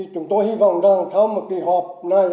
chúng tôi hy vọng rằng sau một hợp này